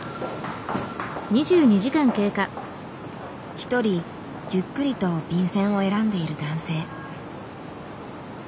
一人ゆっくりと便せんを選んでいる男性。